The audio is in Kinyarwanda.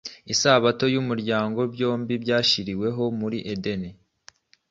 Isabato n’umuryango byombi byashyiriweho muri Edeni,